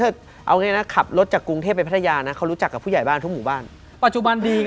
สนิทกับตำรวจสนิทกับนักดำวง